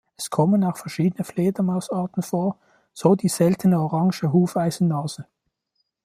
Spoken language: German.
Es kommen auch verschiedene Fledermausarten vor, so die seltene Orange Hufeisennase.